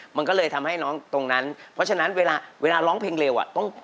มันก็เลยทำให้น้องตรงนั้นเพราะฉะนั้นเวลาเวลาร้องเพลงเร็วอ่ะ